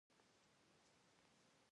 د دولت کارکوونکیو لاره برابره کړه.